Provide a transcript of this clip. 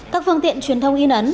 các phương tiện truyền thông y nấn